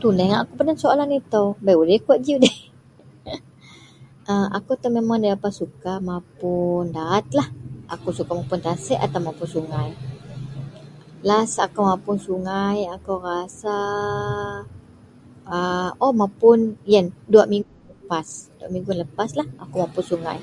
tuneh ngak akou peden soalan itou bei udei kawak ji udei.. akou itou memang daberapa suka mapun daatlah akou suka mapun tasik atau mapun sungai, last akou mapun sungai akou rasaa a oh mapun ien dua minggu lepaslah, dua minggu lepaslah akou mapun sungai